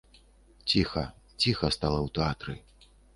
Ціха, ціха стала ў тэатры.